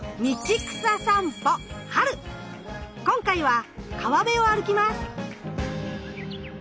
今回は川辺を歩きます。